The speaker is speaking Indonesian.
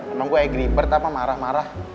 emang gue agripert apa marah marah